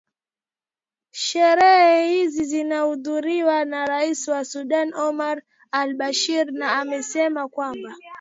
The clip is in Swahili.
sherehe hizi zinahudhuriwa na rais wa sudan omar al bashir na amesema kwamba